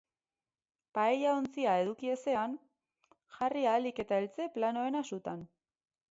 Paella-ontzia eduki ezean, jarri ahalik eta eltze planoena sutan.